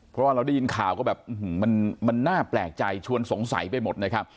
เพราะว่าเราได้ยินข่าวก็แบบมันน่าแปลกใจชวนสงสัยไปหมดนะครับ